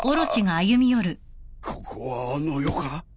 ここはあの世か？